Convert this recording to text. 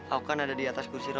aku kan ada di atas kursi roda